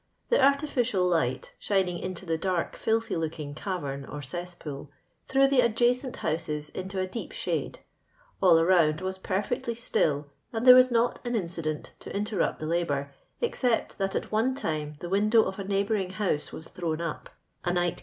The arti ficial light, shining into the dark filthy looking cavern or cesspool, threw the adjacent houses into a deep shade. All around was perfectly still, and there was not an incident to interrupt the labour, except that afr one time the window of a neighbouring house was thrown up, a night No.